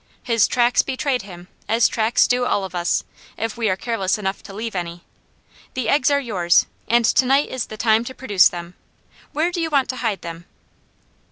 'His tracks betrayed him,' as tracks do all of us, if we are careless enough to leave any. The eggs are yours, and to night is the time to produce them. Where do you want to hide them?"